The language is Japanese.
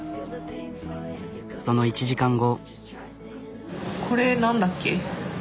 その１時間後。